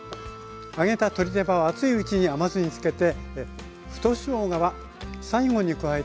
揚げた鶏手羽は熱いうちに甘酢につけて太しょうがは最後に加えてからめましょう。